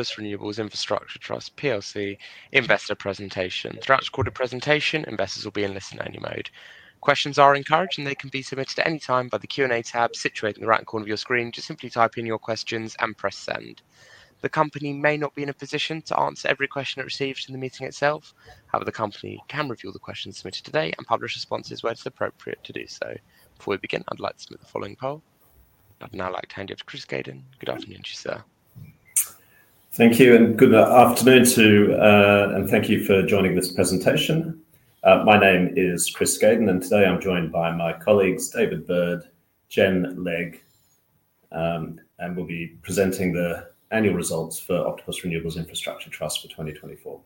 Octopus Renewables Infrastructure Trust plc Investor Presentation. Throughout recorded presentation, investors will be in listen-only mode. Questions are encouraged, and they can be submitted at any time by the Q&A tab situated in the right corner of your screen. Just simply type in your questions and press send. The company may not be in a position to answer every question it receives in the meeting itself. However, the company can review the questions submitted today and publish responses where it's appropriate to do so. Before we begin, I'd like to submit the following poll. I'd now like to hand you over to Chris Gaydon. Good afternoon to you, sir. Thank you, and good afternoon, too, and thank you for joining this presentation. My name is Chris Gaydon, and today I'm joined by my colleagues, David Bird, Gen Legg, and we'll be presenting the annual results for Octopus Renewables Infrastructure Trust for 2024.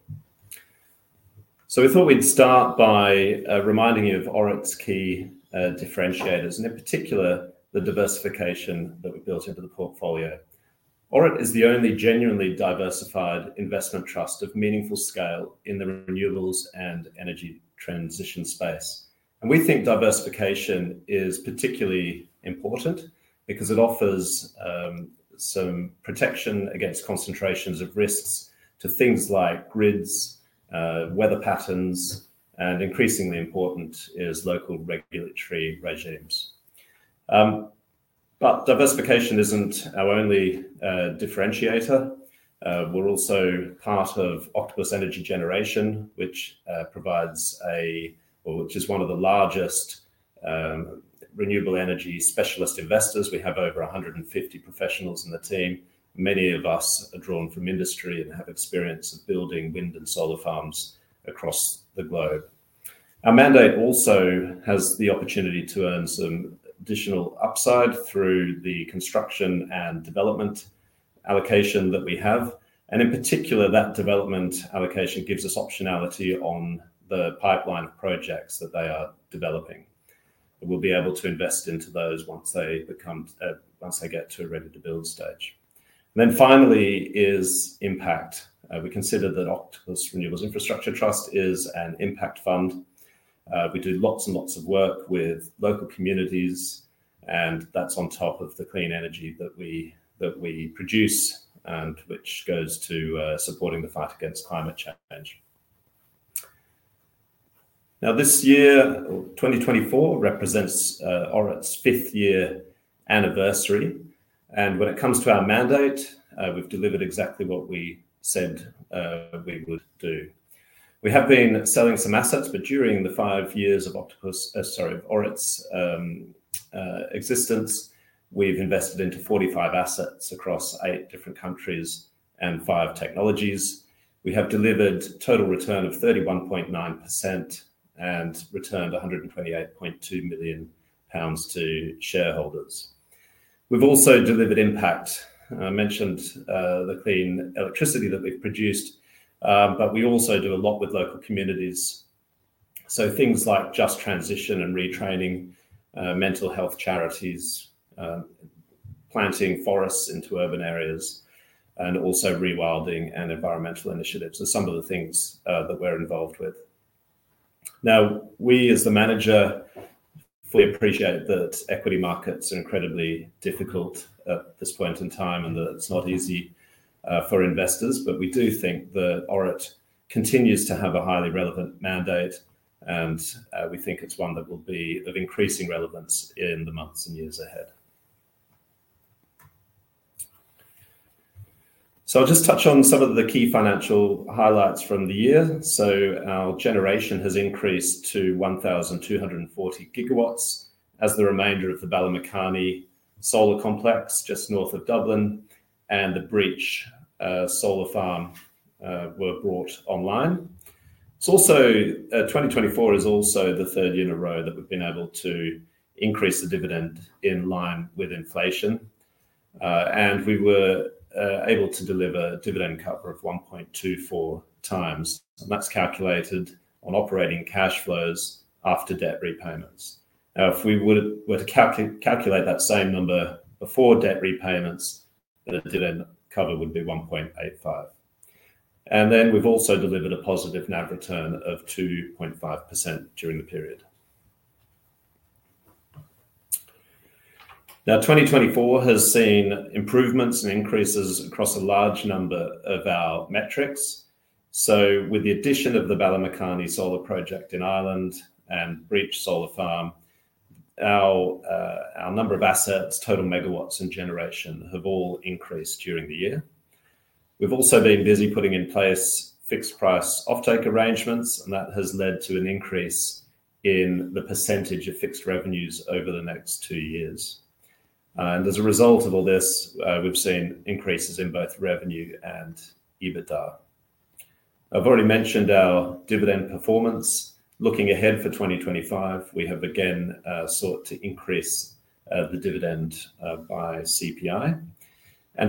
We thought we'd start by reminding you of ORIT's key differentiators, and in particular, the diversification that we built into the portfolio. ORIT is the only genuinely diversified investment trust of meaningful scale in the renewables and energy transition space. We think diversification is particularly important because it offers some protection against concentrations of risks to things like grids, weather patterns, and increasingly important is local regulatory regimes. Diversification is not our only differentiator. We're also part of Octopus Energy Generation, which provides a, which is one of the largest renewable energy specialist investors. We have over 150 professionals in the team. Many of us are drawn from industry and have experience of building wind and solar farms across the globe. Our mandate also has the opportunity to earn some additional upside through the construction and development allocation that we have. In particular, that development allocation gives us optionality on the pipeline projects that they are developing. We will be able to invest into those once they become, once they get to a ready-to-build stage. Finally is Impact. We consider that Octopus Renewables Infrastructure Trust is an Impact Fund. We do lots and lots of work with local communities, and that is on top of the clean energy that we produce and which goes to supporting the fight against climate change. This year, 2024, represents Octopus Renewables Infrastructure Trust's fifth year anniversary. When it comes to our mandate, we have delivered exactly what we said we would do. We have been selling some assets, but during the five years of Octopus, and so with ORIT's existence, we've invested into 45 assets across eight different countries and five technologies. We have delivered a total return of 31.9% and returned 128.2 million pounds to shareholders. We've also delivered Impact. I mentioned the clean electricity that we've produced, but we also do a lot with local communities. Things like just transition and retraining, mental health charities, planting forests into urban areas, and also rewilding and environmental initiatives are some of the things that we're involved with. Now, we as the manager fully appreciate that equity markets are incredibly difficult at this point in time and that it's not easy for investors, but we do think that ORIT continues to have a highly relevant mandate, and we think it's one that will be of increasing relevance in the months and years ahead. I'll just touch on some of the key financial highlights from the year. Our generation has increased to 1,240 gigawatt hours as the remainder of the Ballymacarney Solar Complex just north of Dublin and the Breach Solar Farm were brought online. 2024 is also the third year in a row that we've been able to increase the dividend in line with inflation. We were able to deliver a dividend cover of 1.24 times, and that's calculated on operating cash flows after debt repayments. If we were to calculate that same number before debt repayments, the dividend cover would be 1.85. We've also delivered a positive NAV return of 2.5% during the period. 2024 has seen improvements and increases across a large number of our metrics. With the addition of the Ballymacarney Solar project in Ireland and Breach Solar Farm, our number of assets, total Megawatts, and generation have all increased during the year. We have also been busy putting in place fixed price offtake arrangements, and that has led to an increase in the percentage of fixed revenues over the next two years. As a result of all this, we have seen increases in both revenue and EBITDA. I have already mentioned our dividend performance. Looking ahead for 2025, we have again sought to increase the dividend by CPI.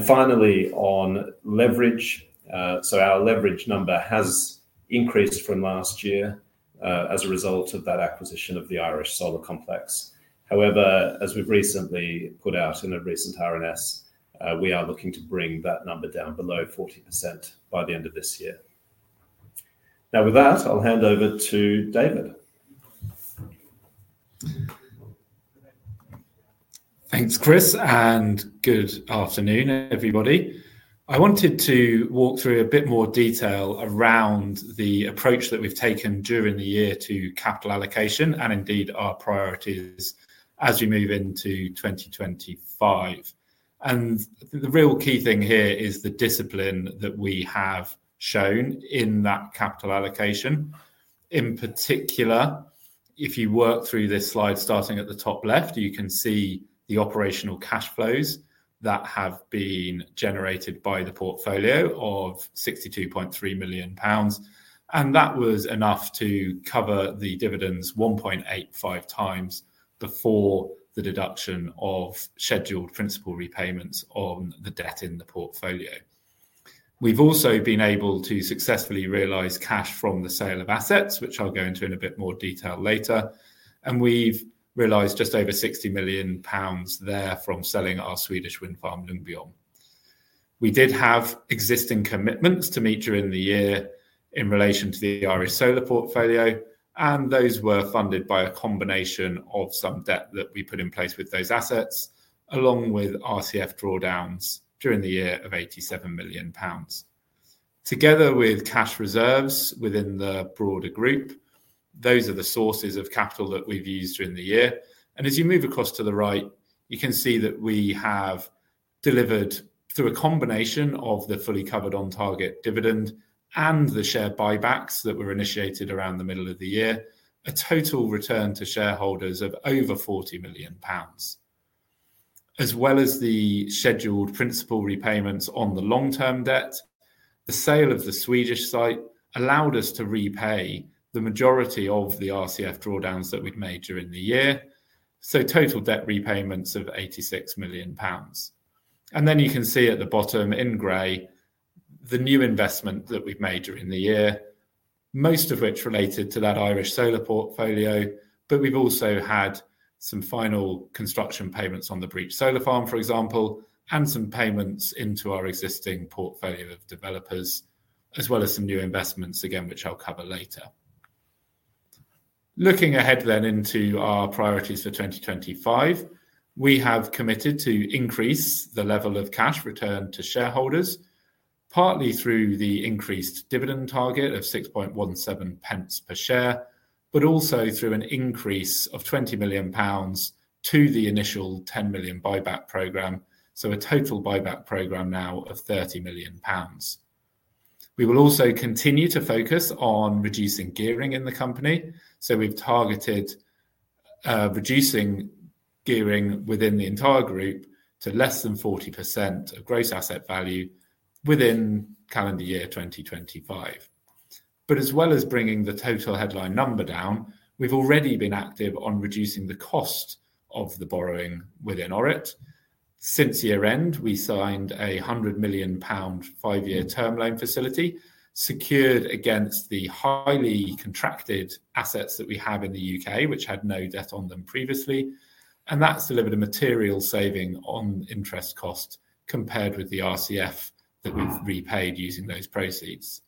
Finally, on leverage, our leverage number has increased from last year as a result of that acquisition of the Irish Solar Complex. However, as we have recently put out in a recent RNS, we are looking to bring that number down below 40% by the end of this year. Now, with that, I'll hand over to David. Thanks, Chris, and good afternoon, everybody. I wanted to walk through a bit more detail around the approach that we've taken during the year to capital allocation and indeed our priorities as we move into 2025. The real key thing here is the discipline that we have shown in that capital allocation. In particular, if you work through this slide starting at the top left, you can see the operational cash flows that have been generated by the portfolio of 62.3 million pounds. That was enough to cover the dividends 1.85 times before the deduction of scheduled principal repayments on the debt in the portfolio. We've also been able to successfully realize cash from the sale of assets, which I'll go into in a bit more detail later. We've realized just over 60 million pounds there from selling our Swedish wind farm, Ljungbyholm. We did have existing commitments to meet during the year in relation to the Irish solar portfolio, and those were funded by a combination of some debt that we put in place with those assets, along with RCF drawdowns during the year of 87 million pounds. Together with cash reserves within the broader group, those are the sources of capital that we've used during the year. As you move across to the right, you can see that we have delivered through a combination of the fully covered on-target dividend and the share buybacks that were initiated around the middle of the year, a total return to shareholders of over 40 million pounds. As well as the scheduled principal repayments on the long-term debt, the sale of the Swedish site allowed us to repay the majority of the RCF drawdowns that we've made during the year. Total debt repayments of 86 million pounds. You can see at the bottom in gray, the new investment that we've made during the year, most of which related to that Irish solar portfolio, but we've also had some final construction payments on the Breach Solar Farm, for example, and some payments into our existing portfolio of developers, as well as some new investments, again, which I'll cover later. Looking ahead into our priorities for 2025, we have committed to increase the level of cash return to shareholders, partly through the increased dividend target of 6.17 per share, but also through an increase of 20 million pounds to the initial 10 million buyback program, so a total buyback program now of 30 million pounds. We will also continue to focus on reducing gearing in the company. We've targeted reducing gearing within the entire group to less than 40% of gross asset value within calendar year 2025. As well as bringing the total headline number down, we've already been active on reducing the cost of the borrowing within ORIT. Since year-end, we signed a 100 million pound five-year term loan facility secured against the highly contracted assets that we have in the U.K., which had no debt on them previously. That's delivered a material saving on interest cost compared with the revolving credit facility that we've repaid using those proceeds.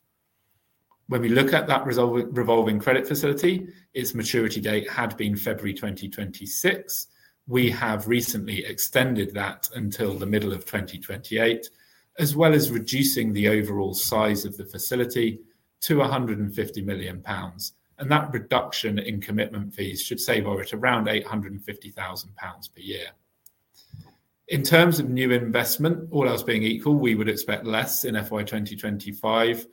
When we look at that revolving credit facility, its maturity date had been February 2026. We have recently extended that until the middle of 2028, as well as reducing the overall size of the facility to 150 million pounds. That reduction in commitment fees should save ORIT around 850,000 pounds per year. In terms of new investment, all else being equal, we would expect less in FY 2025,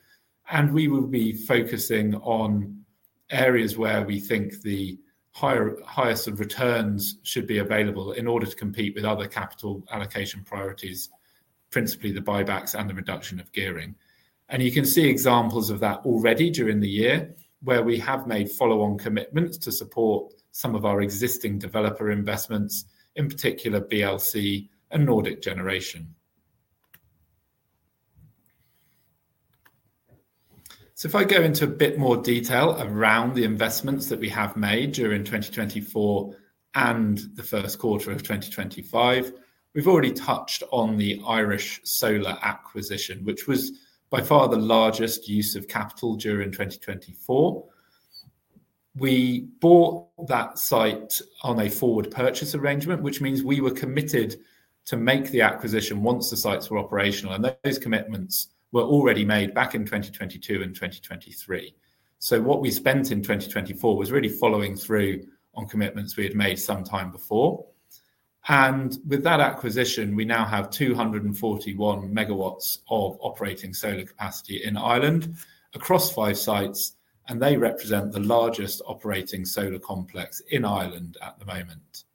and we will be focusing on areas where we think the highest of returns should be available in order to compete with other capital allocation priorities, principally the buybacks and the reduction of gearing. You can see examples of that already during the year where we have made follow-on commitments to support some of our existing developer investments, in particular BLC and Nordic Generation. If I go into a bit more detail around the investments that we have made during 2024 and the first quarter of 2025, we've already touched on the Irish solar acquisition, which was by far the largest use of capital during 2024. We bought that site on a forward purchase arrangement, which means we were committed to make the acquisition once the sites were operational. Those commitments were already made back in 2022 and 2023. What we spent in 2024 was really following through on commitments we had made sometime before. With that acquisition, we now have 241 MW of operating solar capacity in Ireland across five sites, and they represent the largest operating solar complex in Ireland at the moment.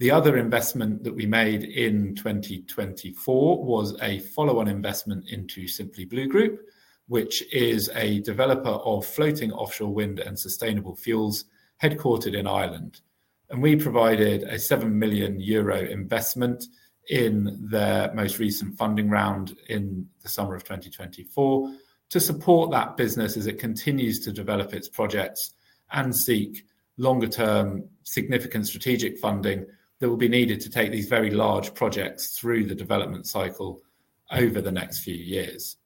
The other investment that we made in 2024 was a follow-on investment into Simply Blue Group, which is a developer of floating offshore wind and sustainable fuels headquartered in Ireland. We provided a 7 million euro investment in their most recent funding round in the summer of 2024 to support that business as it continues to develop its projects and seek longer-term significant strategic funding that will be needed to take these very large projects through the development cycle over the next few years.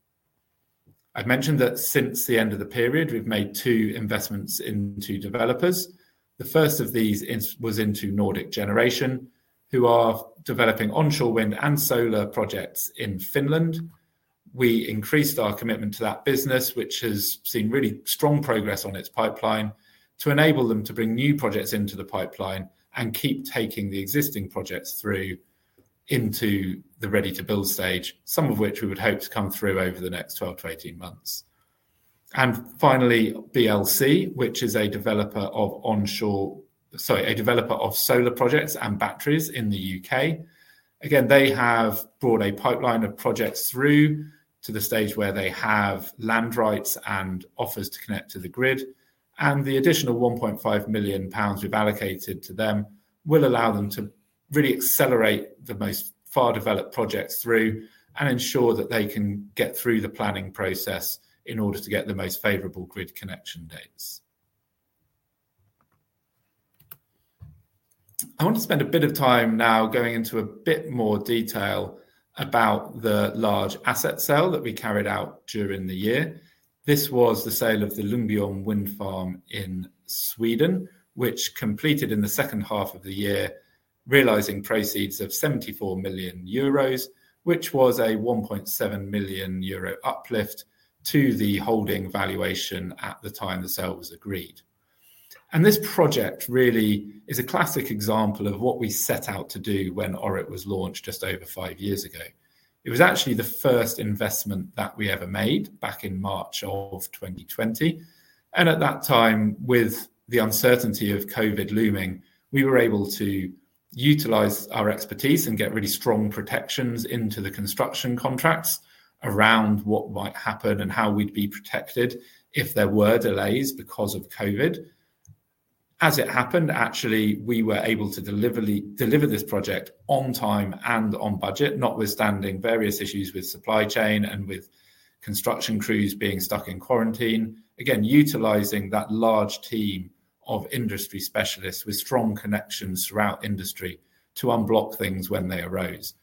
I've mentioned that since the end of the period, we've made two investments into developers. The first of these was into Nordic Generation, who are developing onshore wind and solar projects in Finland. We increased our commitment to that business, which has seen really strong progress on its pipeline, to enable them to bring new projects into the pipeline and keep taking the existing projects through into the ready-to-build stage, some of which we would hope to come through over the next 12 to 18 months. Finally, BLC, which is a developer of solar projects and batteries in the U.K. Again, they have brought a pipeline of projects through to the stage where they have land rights and offers to connect to the grid. The additional 1.5 million pounds we have allocated to them will allow them to really accelerate the most far-developed projects through and ensure that they can get through the planning process in order to get the most favorable grid connection dates. I want to spend a bit of time now going into a bit more detail about the large asset sale that we carried out during the year. This was the sale of the Ljungbyholm Wind Farm in Sweden, which completed in the second half of the year, realizing proceeds of 74 million euros, which was a 1.7 million euro uplift to the holding valuation at the time the sale was agreed. This project really is a classic example of what we set out to do when ORIT was launched just over five years ago. It was actually the first investment that we ever made back in March of 2020.At that time, with the uncertainty of COVID looming, we were able to utilize our expertise and get really strong protections into the construction contracts around what might happen and how we'd be protected if there were delays because of COVID. As it happened, actually, we were able to deliver this project on time and on budget, notwithstanding various issues with supply chain and with construction crews being stuck in quarantine. Again, utilizing that large team of industry specialists with strong connections throughout industry to unblock things when they arose.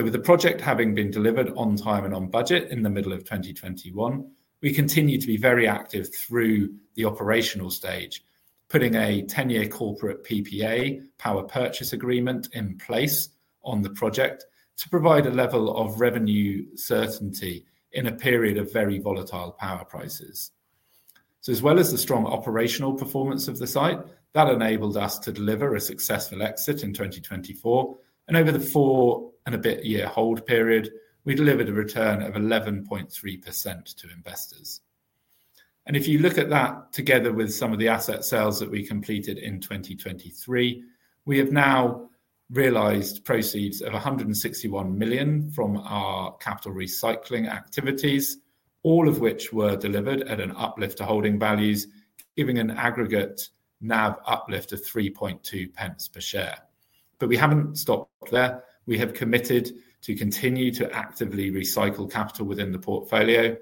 With the project having been delivered on time and on budget in the middle of 2021, we continue to be very active through the operational stage, putting a 10-year corporate PPA, power purchase agreement in place on the project to provide a level of revenue certainty in a period of very volatile power prices. As well as the strong operational performance of the site, that enabled us to deliver a successful exit in 2024. Over the four and a bit year hold period, we delivered a return of 11.3% to investors. If you look at that together with some of the asset sales that we completed in 2023, we have now realized proceeds of 161 million from our capital recycling activities, all of which were delivered at an uplift to holding values, giving an aggregate NAV uplift of 3.2 per share. We have not stopped there. We have committed to continue to actively recycle capital within the portfolio and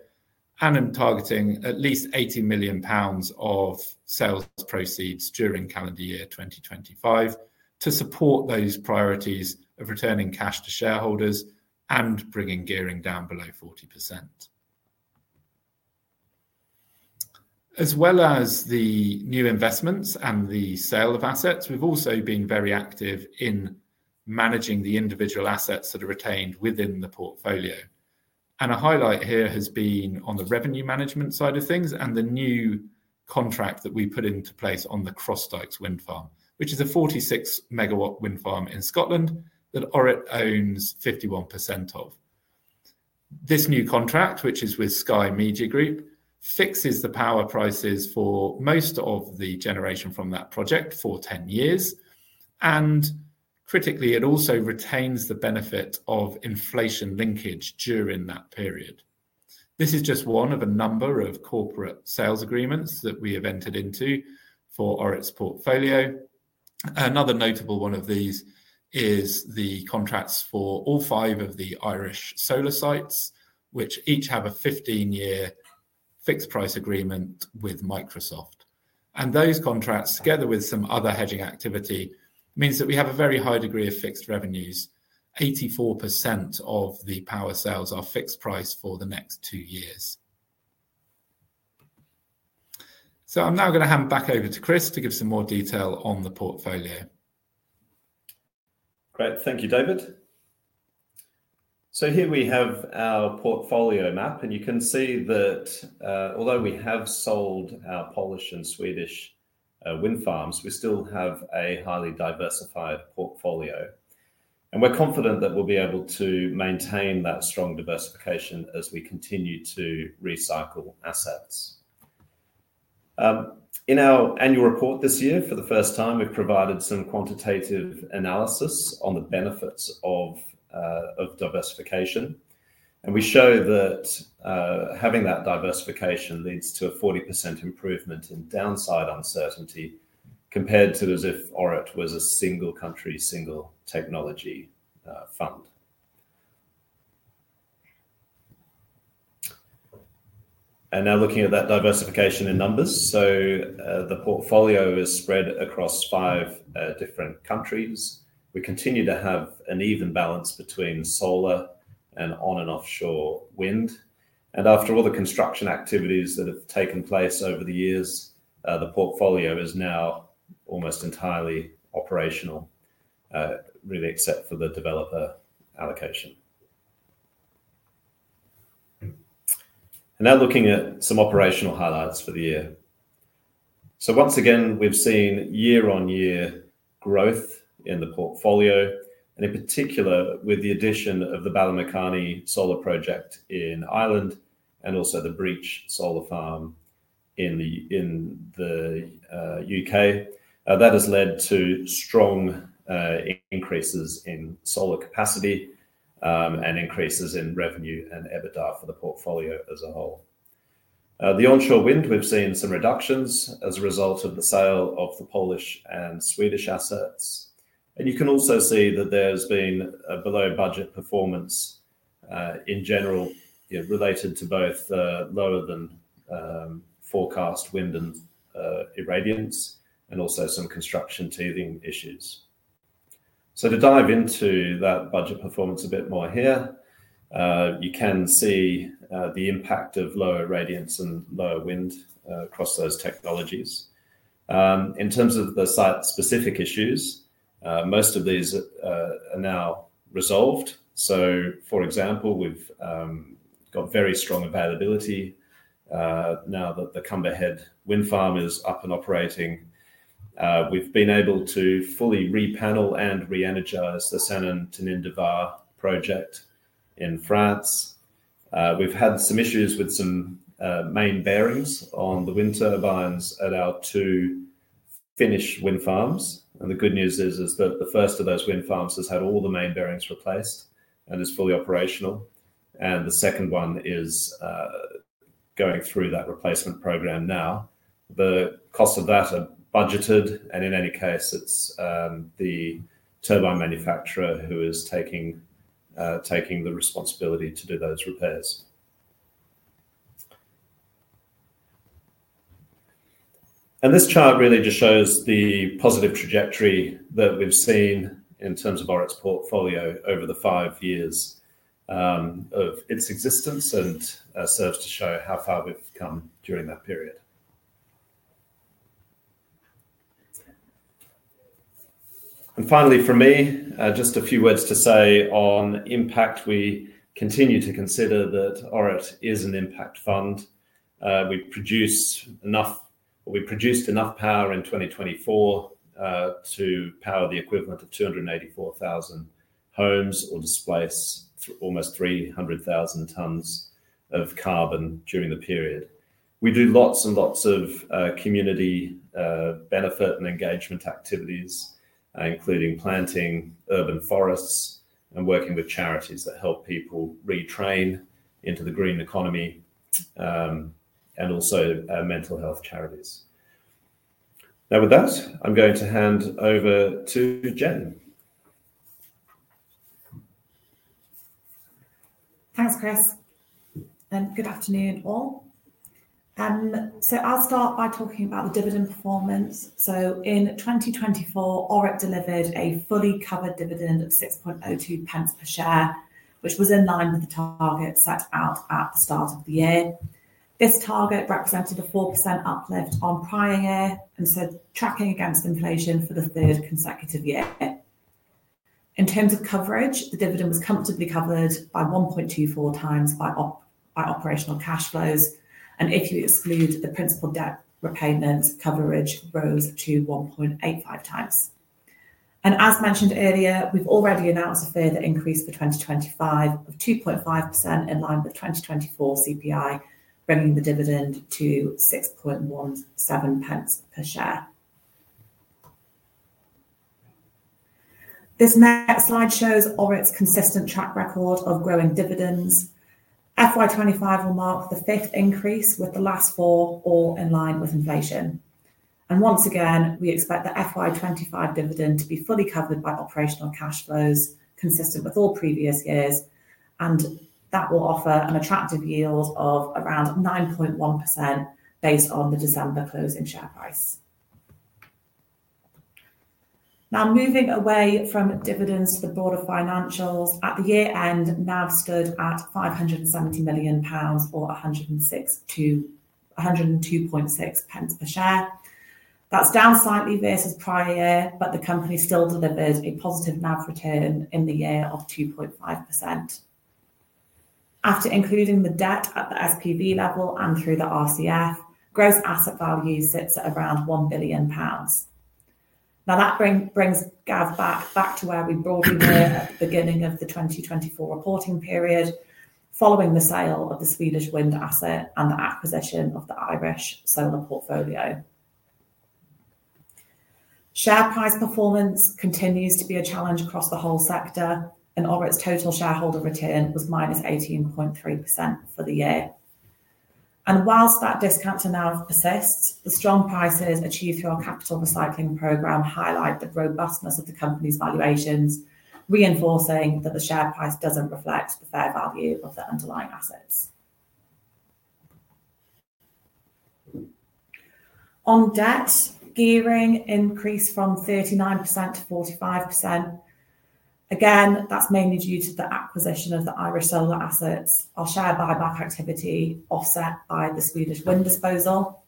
are targeting at least 80 million pounds of sales proceeds during calendar year 2025 to support those priorities of returning cash to shareholders and bringing gearing down below 40%. As well as the new investments and the sale of assets, we've also been very active in managing the individual assets that are retained within the portfolio. A highlight here has been on the revenue management side of things and the new contract that we put into place on the Crossdykes wind farm, which is a 46 MW wind farm in Scotland that ORIT owns 51% of. This new contract, which is with Sky Media Group, fixes the power prices for most of the generation from that project for 10 years. Critically, it also retains the benefit of inflation linkage during that period. This is just one of a number of corporate sales agreements that we have entered into for ORIT's portfolio. Another notable one of these is the contracts for all five of the Irish solar sites, which each have a 15-year fixed price agreement with Microsoft. Those contracts, together with some other hedging activity, mean that we have a very high degree of fixed revenues. 84% of the power sales are fixed price for the next two years. I am now going to hand back over to Chris to give some more detail on the portfolio. Great. Thank you, David. Here we have our portfolio map, and you can see that although we have sold our Polish and Swedish wind farms, we still have a highly diversified portfolio. We are confident that we will be able to maintain that strong diversification as we continue to recycle assets. In our annual report this year, for the first time, we have provided some quantitative analysis on the benefits of diversification. We show that having that diversification leads to a 40% improvement in downside uncertainty compared to if ORIT was a single country, single technology fund. Now looking at that diversification in numbers, the portfolio is spread across five different countries. We continue to have an even balance between solar and on- and offshore wind. After all the construction activities that have taken place over the years, the portfolio is now almost entirely operational, really except for the developer allocation. Now looking at some operational highlights for the year. Once again, we've seen year-on-year growth in the portfolio, and in particular with the addition of the Ballymacarney Solar Complex in Ireland and also the Breach Solar Farm in the U.K. That has led to strong increases in solar capacity and increases in revenue and EBITDA for the portfolio as a whole. The onshore wind, we've seen some reductions as a result of the sale of the Polish and Swedish assets. You can also see that there's been a below-budget performance in general related to both lower-than-forecast wind and irradiance and also some construction teething issues. To dive into that budget performance a bit more here, you can see the impact of lower irradiance and lower wind across those technologies. In terms of the site-specific issues, most of these are now resolved. For example, we've got very strong availability now that the Cumberhead wind farm is up and operating. We've been able to fully re-panel and re-energize the Saint-Antonin-du-Var project in France. We've had some issues with some main bearings on the wind turbines at our two Finnish wind farms. The good news is that the first of those wind farms has had all the main bearings replaced and is fully operational. The second one is going through that replacement program now. The costs of that are budgeted, and in any case, it's the turbine manufacturer who is taking the responsibility to do those repairs. This chart really just shows the positive trajectory that we've seen in terms of ORIT's portfolio over the five years of its existence and serves to show how far we've come during that period. Finally, for me, just a few words to say on Impact. We continue to consider that ORIT is an Impact Fund. We produced enough power in 2024 to power the equivalent of 284,000 homes or displace almost 300,000 tons of carbon during the period. We do lots and lots of community benefit and engagement activities, including planting urban forests and working with charities that help people retrain into the green economy and also mental health charities. Now with that, I'm going to hand over to Gen. Thanks, Chris. Good afternoon, all. I'll start by talking about the dividend performance. In 2024, ORIT delivered a fully covered dividend of 6.02 pence per share, which was in line with the target set out at the start of the year. This target represented a 4% uplift on the prior year and tracking against inflation for the third consecutive year. In terms of coverage, the dividend was comfortably covered by 1.24 times by operational cash flows. If you exclude the principal debt repayments, coverage rose to 1.85 times. As mentioned earlier, we've already announced a further increase for 2025 of 2.5% in line with 2024 CPI, bringing the dividend to 6.17 pence per share. This next slide shows ORIT's consistent track record of growing dividends. FY 2025 will mark the fifth increase with the last four all in line with inflation. Once again, we expect the FY 25 dividend to be fully covered by operational cash flows consistent with all previous years, and that will offer an attractive yield of around 9.1% based on the December closing share price. Now moving away from dividends to the board of financials, at the year end, NAV stood at 570 million pounds or 102.6 pence per share. That is down slightly versus prior year, but the company still delivered a positive NAV return in the year of 2.5%. After including the debt at the SPV level and through the RCF, gross asset value sits at around 1 billion pounds. That brings us back to where we broadly were at the beginning of the 2024 reporting period following the sale of the Swedish wind asset and the acquisition of the Irish solar portfolio. Share price performance continues to be a challenge across the whole sector, and ORIT's total shareholder return was -18.3% for the year. Whilst that discount to NAV persists, the strong prices achieved through our capital recycling program highlight the robustness of the company's valuations, reinforcing that the share price does not reflect the fair value of the underlying assets. On debt, gearing increased from 39%-45%. That is mainly due to the acquisition of the Irish solar assets or share buyback activity offset by the Swedish wind disposal.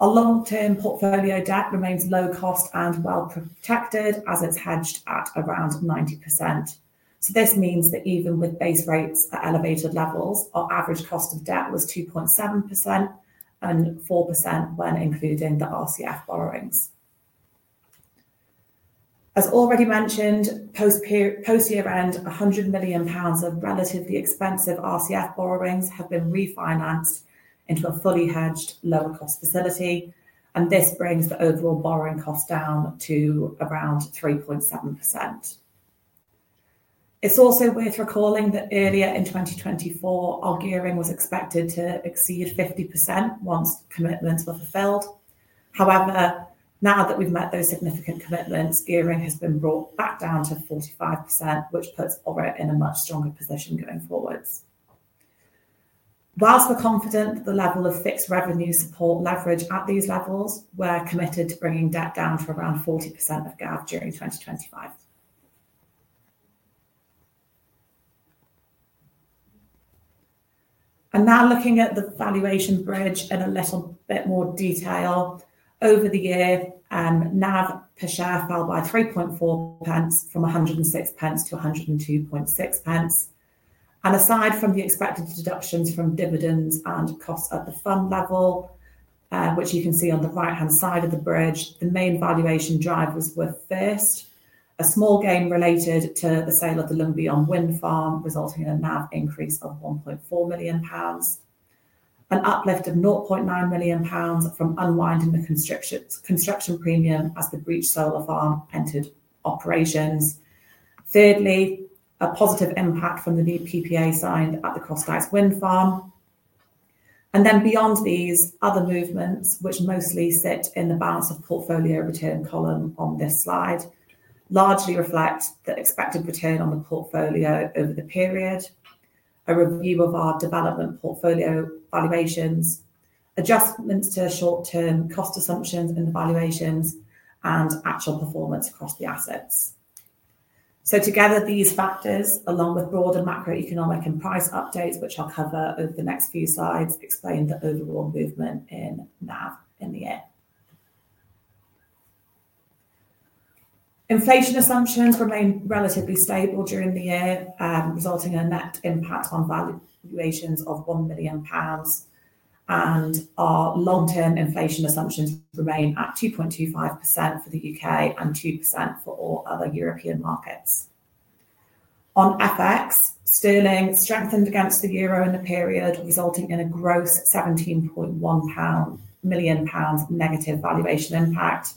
Long-term portfolio debt remains low cost and well protected as it is hedged at around 90%. This means that even with base rates at elevated levels, our average cost of debt was 2.7% and 4% when including the RCF borrowings. As already mentioned, post-year end, 100 million pounds of relatively expensive RCF borrowings have been refinanced into a fully hedged lower cost facility. This brings the overall borrowing cost down to around 3.7%. It is also worth recalling that earlier in 2024, our gearing was expected to exceed 50% once commitments were fulfilled. However, now that we have met those significant commitments, gearing has been brought back down to 45%, which puts ORIT in a much stronger position going forwards. Whilst we are confident that the level of fixed revenue support leverage at these levels, we are committed to bringing debt down to around 40% of GAV during 2025. Now looking at the valuation bridge in a little bit more detail, over the year, NAV per share fell by 3.4 pence from 106 pence to 102.6 pence. Aside from the expected deductions from dividends and costs at the fund level, which you can see on the right-hand side of the bridge, the main valuation drivers were first, a small gain related to the sale of the Ljungbyholm Wind Farm, resulting in a NAV increase of 1.4 million pounds, an uplift of 0.9 million pounds from unwinding the construction premium as the Breach Solar Farm entered operations. Thirdly, a positive impact from the new PPA signed at the Crossdykes wind farm. Beyond these, other movements, which mostly sit in the balance of portfolio return column on this slide, largely reflect the expected return on the portfolio over the period, a review of our development portfolio valuations, adjustments to short-term cost assumptions and valuations, and actual performance across the assets. Together, these factors, along with broader macroeconomic and price updates, which I'll cover over the next few slides, explain the overall movement in NAV in the year. Inflation assumptions remain relatively stable during the year, resulting in a net impact on valuations of 1 million pounds. Our long-term inflation assumptions remain at 2.25% for the U.K. and 2% for all other European markets. On FX, sterling strengthened against the euro in the period, resulting in a gross 17.1 million pound negative valuation impact.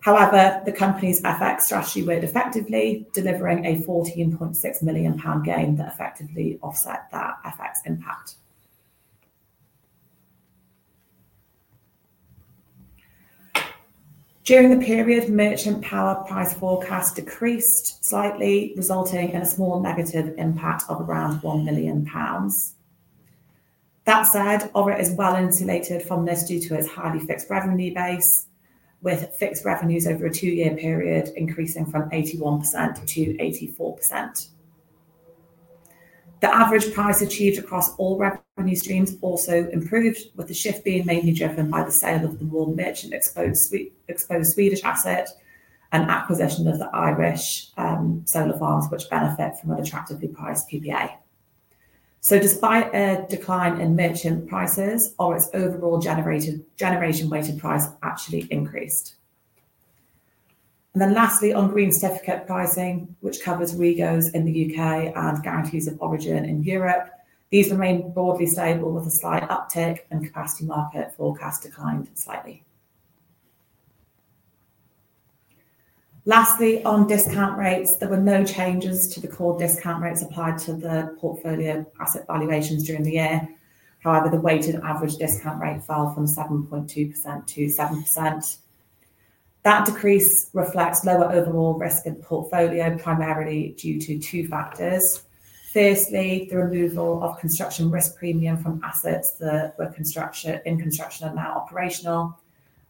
However, the company's FX strategy worked effectively, delivering a 14.6 million pound gain that effectively offset that FX impact. During the period, merchant power price forecast decreased slightly, resulting in a small negative impact of around 1 million pounds. That said, ORIT is well insulated from this due to its highly fixed revenue base, with fixed revenues over a two-year period increasing from 81%-84%. The average price achieved across all revenue streams also improved, with the shift being mainly driven by the sale of the more merchant-exposed Swedish asset and acquisition of the Irish solar farms, which benefit from an attractively priced PPA. Despite a decline in merchant prices, ORIT's overall generation-weighted price actually increased. Lastly, on green certificate pricing, which covers REGOs in the U.K. and guarantees of origin in Europe, these remain broadly stable with a slight uptick and capacity market forecast declined slightly. Lastly, on discount rates, there were no changes to the core discount rates applied to the portfolio asset valuations during the year. However, the weighted average discount rate fell from 7.2%-7%. That decrease reflects lower overall risk in portfolio, primarily due to two factors. Firstly, the removal of construction risk premium from assets that were in construction and now operational.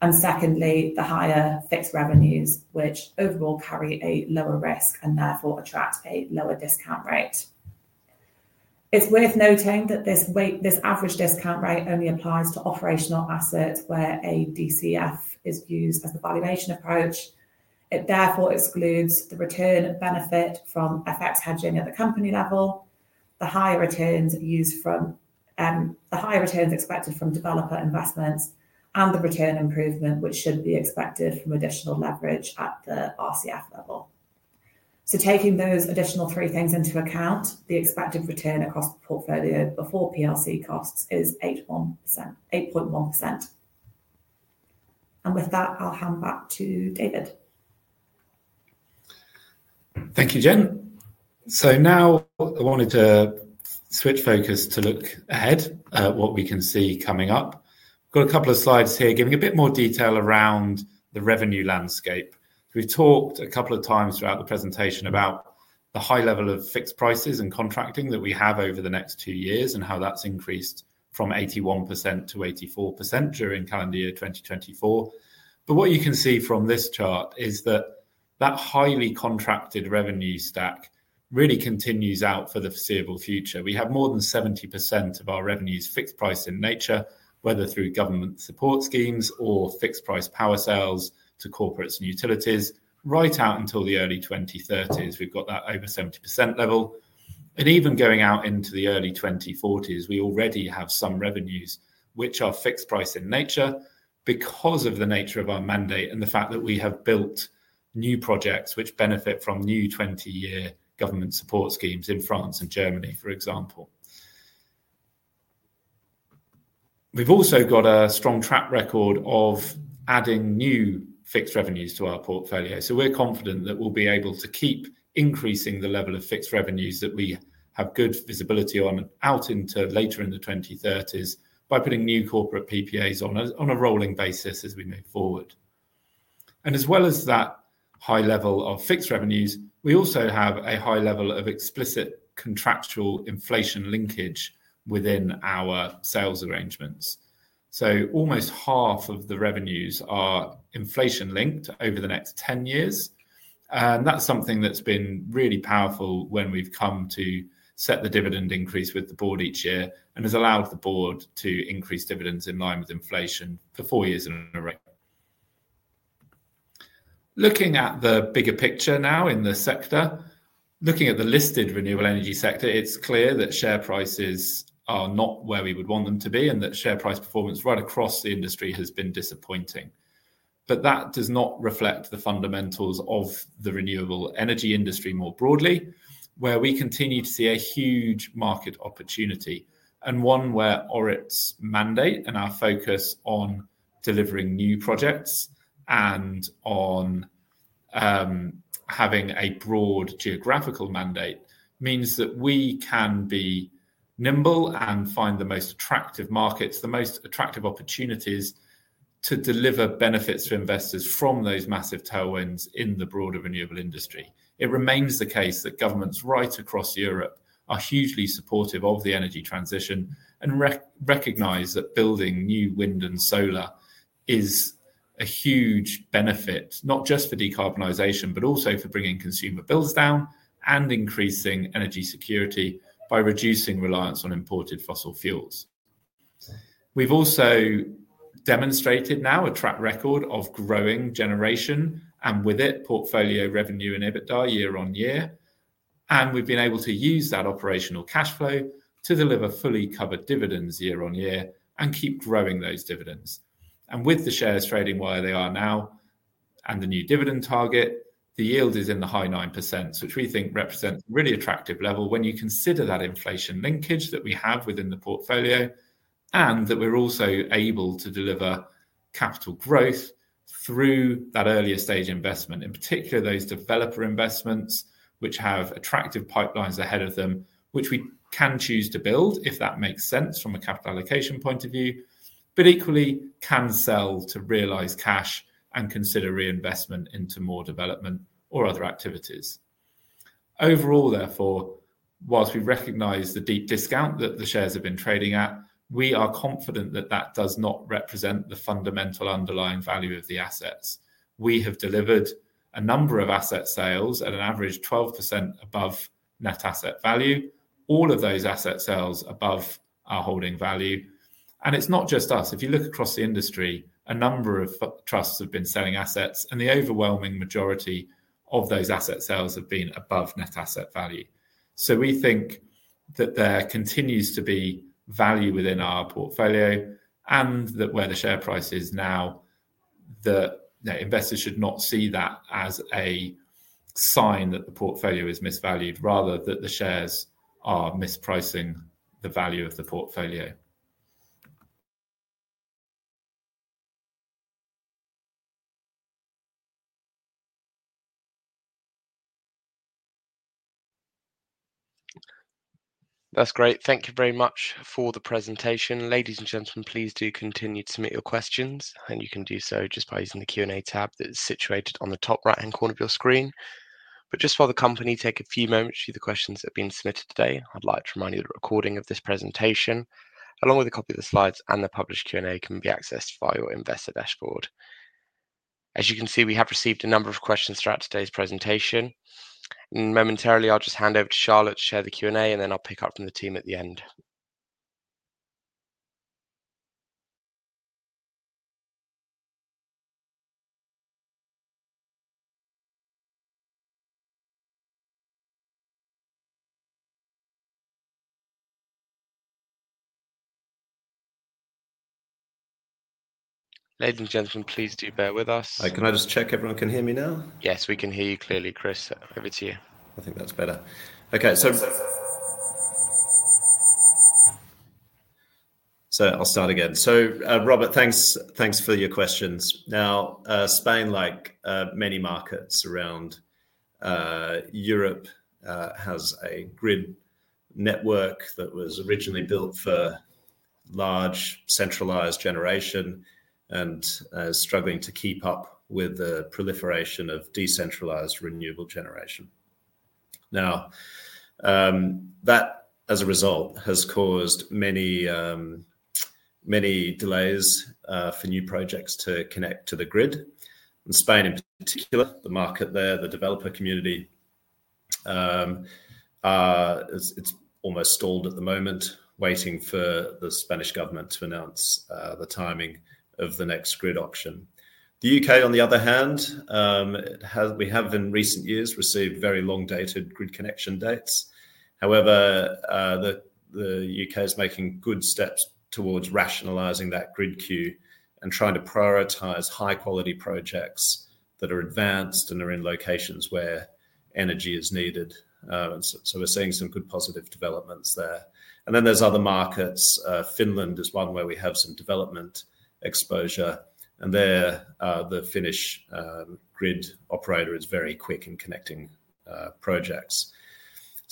The higher fixed revenues, which overall carry a lower risk and therefore attract a lower discount rate. It's worth noting that this average discount rate only applies to operational assets where a DCF is used as the valuation approach. It therefore excludes the return benefit from FX hedging at the company level, the higher returns expected from developer investments, and the return improvement, which should be expected from additional leverage at the RCF level. Taking those additional three things into account, the expected return across the portfolio before PLC costs is 8.1%. With that, I'll hand back to David. Thank you, Gen. I wanted to switch focus to look ahead at what we can see coming up. We've got a couple of slides here giving a bit more detail around the revenue landscape. We've talked a couple of times throughout the presentation about the high level of fixed prices and contracting that we have over the next two years and how that's increased from 81%-84% during calendar year 2024. What you can see from this chart is that that highly contracted revenue stack really continues out for the foreseeable future. We have more than 70% of our revenues fixed price in nature, whether through government support schemes or fixed price power sales to corporates and utilities right out until the early 2030s. We've got that over 70% level. Even going out into the early 2040s, we already have some revenues which are fixed price in nature because of the nature of our mandate and the fact that we have built new projects which benefit from new 20-year government support schemes in France and Germany, for example. We've also got a strong track record of adding new fixed revenues to our portfolio. We are confident that we'll be able to keep increasing the level of fixed revenues that we have good visibility on out into later in the 2030s by putting new corporate PPAs on a rolling basis as we move forward. As well as that high level of fixed revenues, we also have a high level of explicit contractual inflation linkage within our sales arrangements. Almost half of the revenues are inflation-linked over the next 10 years. That is something that's been really powerful when we've come to set the dividend increase with the Board each year and has allowed the Board to increase dividends in line with inflation for four years in a row. Looking at the bigger picture now in the sector, looking at the listed Renewable Energy sector, it's clear that share prices are not where we would want them to be and that share price performance right across the industry has been disappointing. That does not reflect the fundamentals of the renewable energy industry more broadly, where we continue to see a huge market opportunity and one where ORIT's mandate and our focus on delivering new projects and on having a broad geographical mandate means that we can be nimble and find the most attractive markets, the most attractive opportunities to deliver benefits for investors from those massive tailwinds in the broader renewable industry. It remains the case that governments right across Europe are hugely supportive of the energy transition and recognize that building new wind and solar is a huge benefit, not just for decarbonization, but also for bringing consumer bills down and increasing energy security by reducing reliance on imported fossil fuels. We have also demonstrated now a track record of growing generation and with it portfolio revenue in EBITDA year-on-year. We have been able to use that operational cash flow to deliver fully covered dividends year on year and keep growing those dividends. With the shares trading where they are now and the new dividend target, the yield is in the high 9%, which we think represents a really attractive level when you consider that inflation linkage that we have within the portfolio and that we are also able to deliver capital growth through that earlier stage investment, in particular those developer investments, which have attractive pipelines ahead of them, which we can choose to build if that makes sense from a capital allocation point of view, but equally can sell to realize cash and consider reinvestment into more development or other activities. Overall, therefore, whilst we recognize the deep discount that the shares have been trading at, we are confident that that does not represent the fundamental underlying value of the assets. We have delivered a number of asset sales at an average 12% above net asset value, all of those asset sales above our holding value. It is not just us. If you look across the industry, a number of trusts have been selling assets, and the overwhelming majority of those asset sales have been above net asset value. We think that there continues to be value within our portfolio and that where the share price is now, investors should not see that as a sign that the portfolio is misvalued, rather that the shares are mispricing the value of the portfolio. That is great. Thank you very much for the presentation. Ladies and gentlemen, please do continue to submit your questions, and you can do so just by using the Q&A tab that is situated on the top right-hand corner of your screen. Just for the company, take a few moments to view the questions that have been submitted today. I'd like to remind you that the recording of this presentation, along with a copy of the slides and the published Q&A, can be accessed via your investor dashboard. As you can see, we have received a number of questions throughout today's presentation. Momentarily, I'll hand over to Charlotte to share the Q&A, and then I'll pick up from the team at the end. Ladies and gentlemen, please do bear with us. Can I just check everyone can hear me now? Yes, we can hear you clearly, Chris. Over to you. I think that's better. I'll start again. Robert, thanks for your questions. Now, Spain, like many markets around Europe, has a grid network that was originally built for large centralized generation and is struggling to keep up with the proliferation of decentralized renewable generation. That, as a result, has caused many delays for new projects to connect to the grid. In Spain, in particular, the market there, the developer community, it's almost stalled at the moment, waiting for the Spanish government to announce the timing of the next grid auction. The U.K., on the other hand, we have in recent years received very long-dated grid connection dates. However, the U.K. is making good steps towards rationalizing that grid queue and trying to prioritize high-quality projects that are advanced and are in locations where energy is needed. We are seeing some good positive developments there. There are other markets, Finland, is one where we have some development exposure. There, the Finnish grid operator is very quick in connecting projects.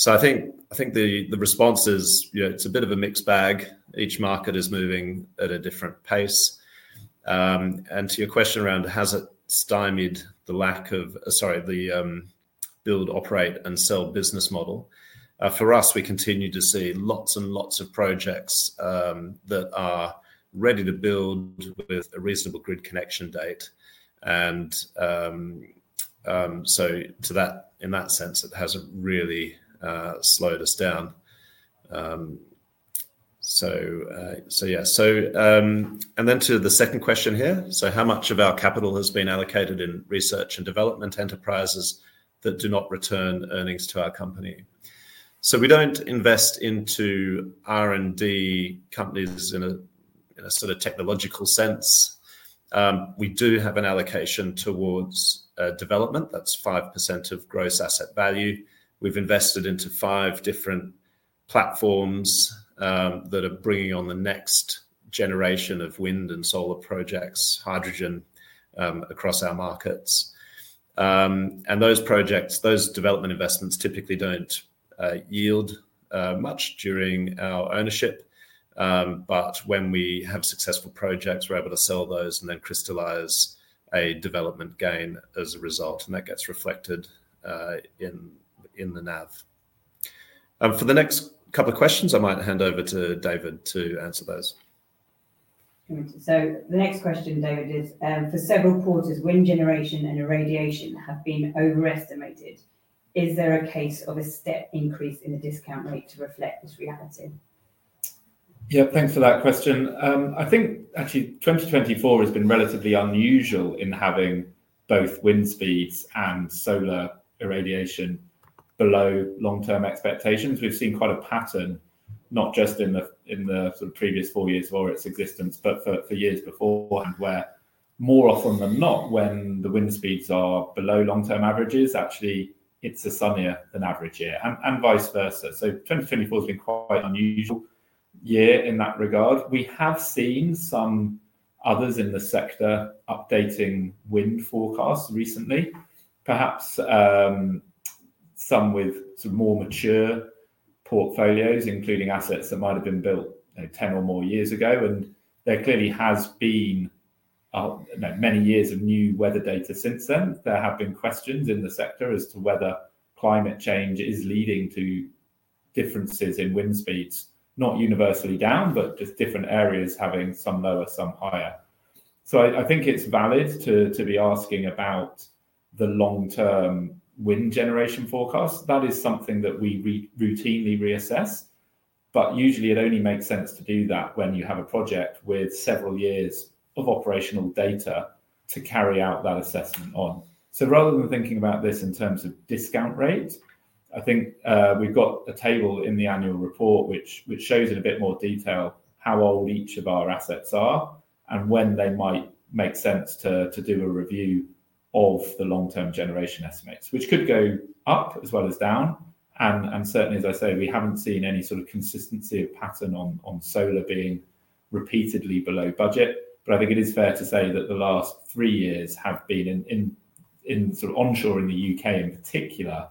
I think the response is it's a bit of a mixed bag. Each market is moving at a different pace. To your question around has it stymied the lack of, sorry, the build, operate, and sell business model, for us, we continue to see lots and lots of projects that are ready to build with a reasonable grid connection date. In that sense, it has not really slowed us down. Yeah. To the second question here, how much of our capital has been allocated in research and development enterprises that do not return earnings to our company? We do not invest into R&D companies in a sort of technological sense. We do have an allocation towards development. That is 5% of gross asset value. We've invested into five different platforms that are bringing on the next generation of wind and solar projects, hydrogen across our markets. Those projects, those development investments typically do not yield much during our ownership. When we have successful projects, we are able to sell those and then crystallize a development gain as a result. That gets reflected in the NAV. For the next couple of questions, I might hand over to David to answer those. The next question, David, is for several quarters, wind generation and irradiation have been overestimated. Is there a case of a step increase in the discount rate to reflect this reality? Yeah, thanks for that question. I think actually 2024 has been relatively unusual in having both wind speeds and solar irradiation below long-term expectations. We've seen quite a pattern, not just in the sort of previous four years of ORIT's existence, but for years before and where more often than not, when the wind speeds are below long-term averages, actually it's a sunnier than average year and vice versa. 2024 has been quite an unusual year in that regard. We have seen some others in the sector updating wind forecasts recently, perhaps some with sort of more mature portfolios, including assets that might have been built 10 or more years ago. There clearly has been many years of new weather data since then. There have been questions in the sector as to whether climate change is leading to differences in wind speeds, not universally down, but just different areas having some lower, some higher. I think it's valid to be asking about the long-term wind generation forecast. That is something that we routinely reassess. Usually, it only makes sense to do that when you have a project with several years of operational data to carry out that assessment on. Rather than thinking about this in terms of discount rate, I think we've got a table in the annual report which shows in a bit more detail how old each of our assets are and when they might make sense to do a review of the long-term generation estimates, which could go up as well as down. Certainly, as I say, we haven't seen any sort of consistency of pattern on solar being repeatedly below budget. I think it is fair to say that the last three years have been sort of onshore in the U.K. in particular,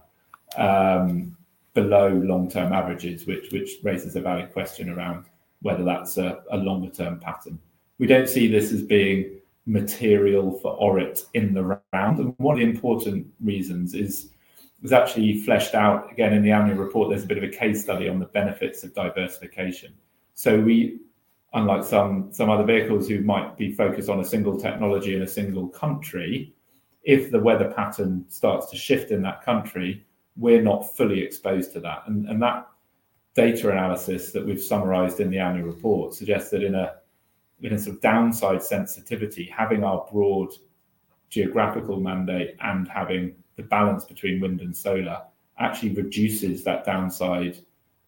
below long-term averages, which raises a valid question around whether that's a longer-term pattern. We do not see this as being material for ORIT in the round. One of the important reasons is it was actually fleshed out again in the annual report. There is a bit of a case study on the benefits of diversification. We, unlike some other vehicles who might be focused on a single technology in a single country, if the weather pattern starts to shift in that country, we are not fully exposed to that. That data analysis that we have summarized in the annual report suggests that in a sort of downside sensitivity, having our broad geographical mandate and having the balance between wind and solar actually reduces that downside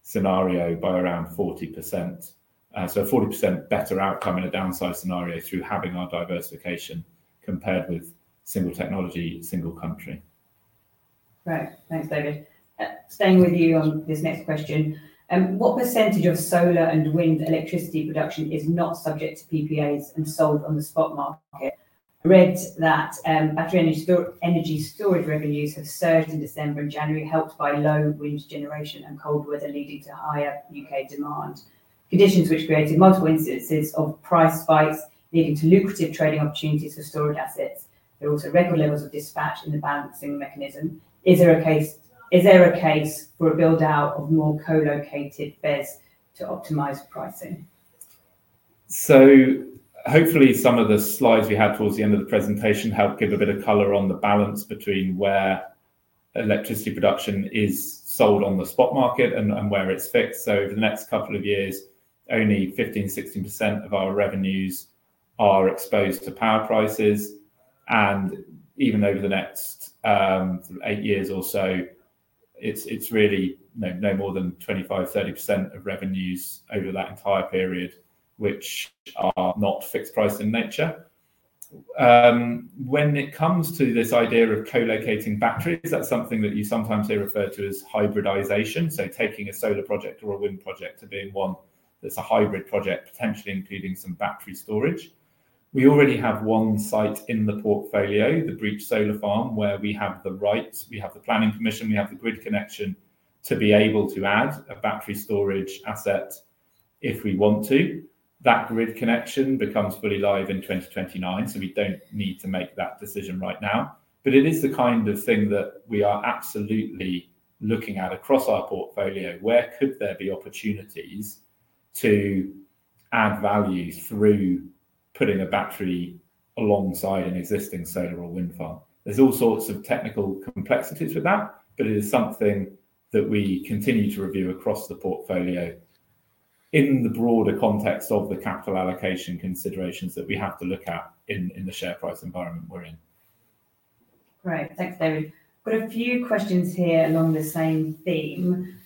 scenario by around 40%. A 40% better outcome in a downside scenario through having our diversification compared with single technology, single country. Right. Thanks, David. Staying with you on this next question. What percentage of solar and wind electricity production is not subject to PPAs and sold on the spot market? I read that battery energy storage revenues have surged in December and January, helped by low wind generation and cold weather leading to higher U.K. demand. Conditions which created multiple instances of price spikes leading to lucrative trading opportunities for storage assets. There are also record levels of dispatch in the balancing mechanism. Is there a case for a build-out of more co-located BESS to optimize pricing? Hopefully, some of the slides we had towards the end of the presentation helped give a bit of color on the balance between where electricity production is sold on the spot market and where it's fixed. For the next couple of years, only 15%-16% of our revenues are exposed to power prices. Even over the next eight years or so, it's really no more than 25%-30% of revenues over that entire period, which are not fixed price in nature. When it comes to this idea of co-locating batteries, that's something that you sometimes refer to as hybridization. Taking a solar project or a wind project to being one that's a hybrid project, potentially including some battery storage. We already have one site in the portfolio, the Breach Solar Farm, where we have the rights, we have the planning permission, we have the grid connection to be able to add a battery storage asset if we want to. That grid connection becomes fully live in 2029, so we do not need to make that decision right now. It is the kind of thing that we are absolutely looking at across our portfolio. Where could there be opportunities to add value through putting a battery alongside an existing solar or wind farm? There are all sorts of technical complexities with that, but it is something that we continue to review across the portfolio in the broader context of the capital allocation considerations that we have to look at in the share price environment we are in. Right. Thanks, David. We have a few questions here along the same theme.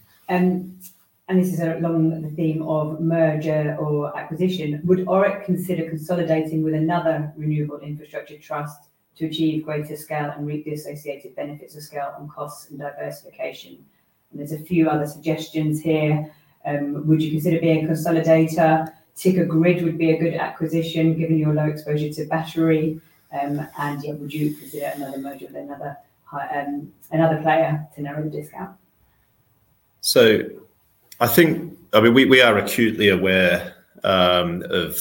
This is along the theme of merger or acquisition. Would ORIT consider consolidating with another renewable infrastructure trust to achieve greater scale and reap the associated benefits of scale and costs and diversification? There are a few other suggestions here. Would you consider being a consolidator? TICA grid would be a good acquisition given your low exposure to battery. Yeah, would you consider another merger with another player to narrow the discount? I think, I mean, we are acutely aware of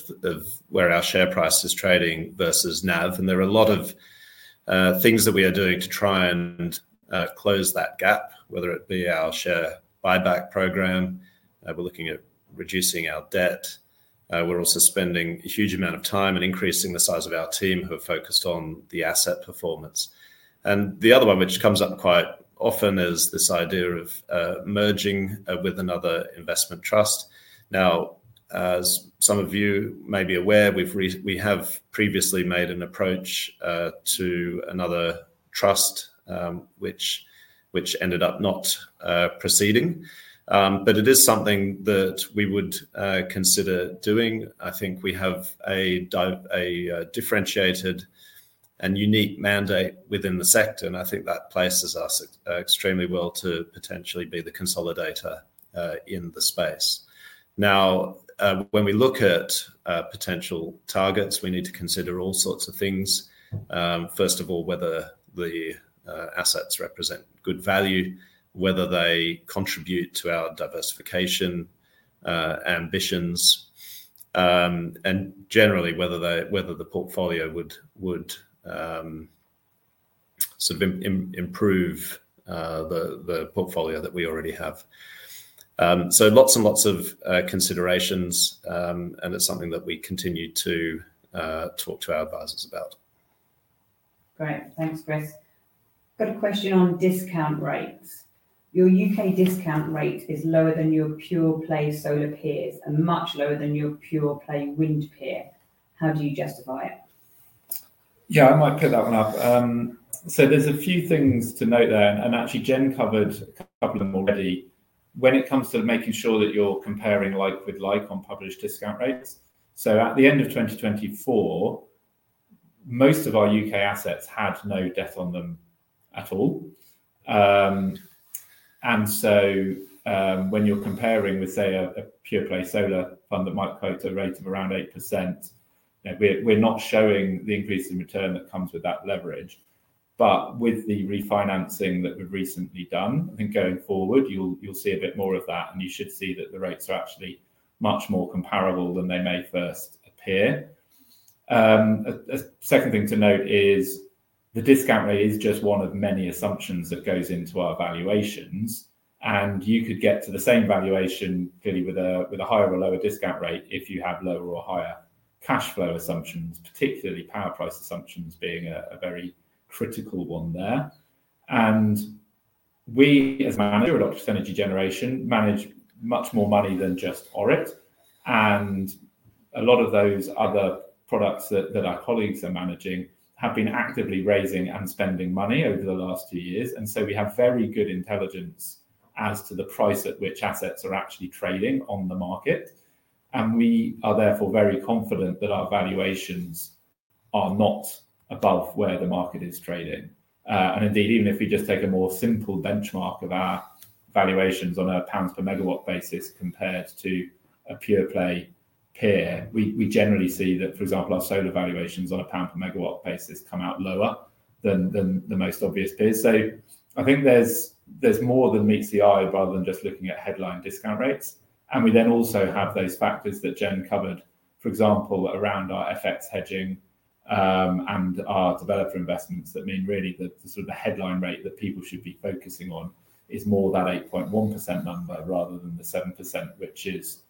where our share price is trading versus NAV. There are a lot of things that we are doing to try and close that gap, whether it be our share buyback program. We are looking at reducing our debt. We are also spending a huge amount of time and increasing the size of our team who are focused on the asset performance. The other one which comes up quite often is this idea of merging with another investment trust. Now, as some of you may be aware, we have previously made an approach to another trust, which ended up not proceeding. It is something that we would consider doing. I think we have a differentiated and unique mandate within the sector. I think that places us extremely well to potentially be the consolidator in the space. Now, when we look at potential targets, we need to consider all sorts of things. First of all, whether the assets represent good value, whether they contribute to our diversification ambitions, and generally whether the portfolio would sort of improve the portfolio that we already have. Lots and lots of considerations. It is something that we continue to talk to our advisors about. Right. Thanks, Chris. Got a question on discount rates. Your U.K. discount rate is lower than your pure play solar peers and much lower than your pure play wind peer. How do you justify it? Yeah, I might pick that one up. There are a few things to note there. Actually, Gen covered a couple of them already. When it comes to making sure that you are comparing like with like on published discount rates. At the end of 2024, most of our U.K. assets had no debt on them at all. When you're comparing with, say, a pure play solar fund that might quote a rate of around 8%, we're not showing the increase in return that comes with that leverage. With the refinancing that we've recently done, I think going forward, you'll see a bit more of that. You should see that the rates are actually much more comparable than they may first appear. A second thing to note is the discount rate is just one of many assumptions that goes into our valuations. You could get to the same valuation clearly with a higher or lower discount rate if you have lower or higher cash flow assumptions, particularly power price assumptions being a very critical one there. We as a manager at Octopus Energy Generation manage much more money than just ORIT. A lot of those other products that our colleagues are managing have been actively raising and spending money over the last two years. We have very good intelligence as to the price at which assets are actually trading on the market. We are therefore very confident that our valuations are not above where the market is trading. Indeed, even if we just take a more simple benchmark of our valuations on a pounds per Megawatt basis compared to a pure play peer, we generally see that, for example, our solar valuations on a pound per Megawatt basis come out lower than the most obvious peers. I think there is more than meets the eye rather than just looking at headline discount rates. We then also have those factors that Gen covered, for example, around our FX hedging and our developer investments that mean really that the sort of headline rate that people should be focusing on is more that 8.1% number rather than the 7%, which is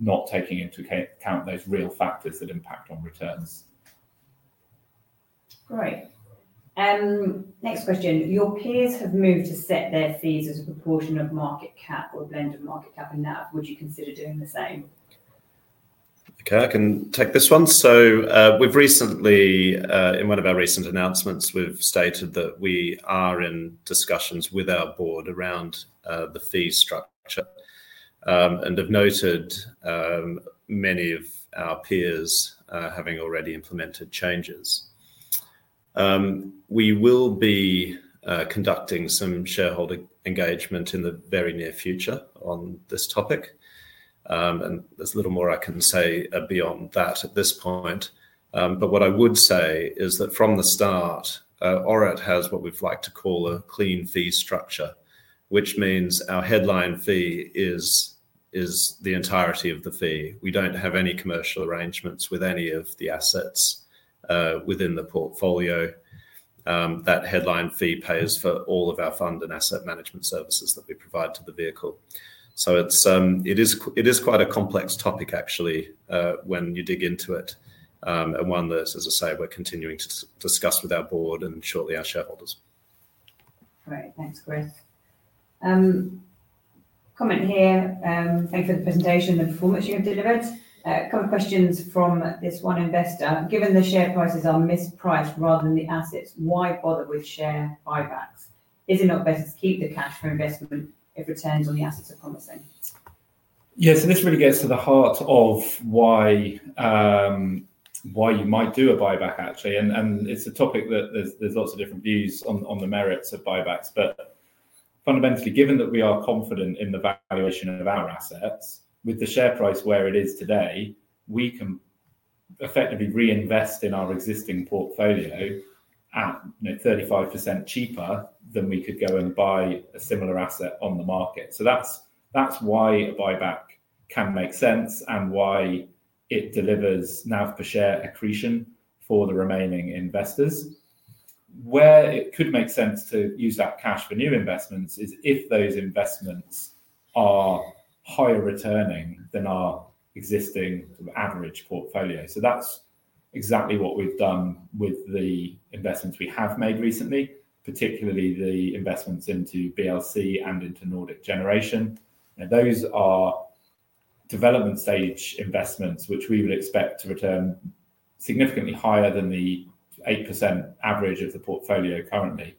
not taking into account those real factors that impact on returns. Great. Next question. Your peers have moved to set their fees as a proportion of market cap or blend of market cap and NAV. Would you consider doing the same? Okay, I can take this one. We have recently, in one of our recent announcements, stated that we are in discussions with our board around the fee structure and have noted many of our peers having already implemented changes. We will be conducting some shareholder engagement in the very near future on this topic. There is little more I can say beyond that at this point. What I would say is that from the start, ORIT has what we have liked to call a clean fee structure, which means our headline fee is the entirety of the fee. We do not have any commercial arrangements with any of the assets within the portfolio. That headline fee pays for all of our fund and asset management services that we provide to the vehicle. It is quite a complex topic, actually, when you dig into it. One that, as I say, we are continuing to discuss with our Board and shortly our shareholders. Right. Thanks, Chris. Comment here. Thanks for the presentation and the performance you have delivered. A couple of questions from this one investor. Given the share prices are mispriced rather than the assets, why bother with share buybacks? Is it not better to keep the cash for investment if returns on the assets are promising? Yeah, so this really gets to the heart of why you might do a buyback, actually. It's a topic that there's lots of different views on the merits of buybacks. Fundamentally, given that we are confident in the valuation of our assets, with the share price where it is today, we can effectively reinvest in our existing portfolio at 35% cheaper than we could go and buy a similar asset on the market. That's why a buyback can make sense and why it delivers NAV per share accretion for the remaining investors. Where it could make sense to use that cash for new investments is if those investments are higher returning than our existing average portfolio. That's exactly what we've done with the investments we have made recently, particularly the investments into BLC and into Nordic Generation. Those are development stage investments which we would expect to return significantly higher than the 8% average of the portfolio currently.